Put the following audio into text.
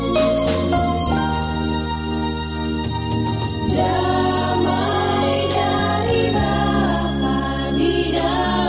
damai dari bapak di dalam hidupku